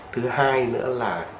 thứ hai nữa là